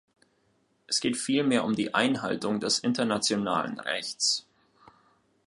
Es geht vielmehr um die Einhaltung des internationalen Rechts.